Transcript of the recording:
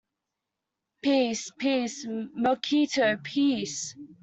Peace, peace, Mercutio, peace!